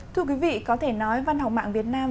thưa quý vị có thể nói văn học mạng việt nam